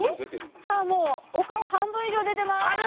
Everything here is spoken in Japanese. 「さあもうお顔半分以上出てます」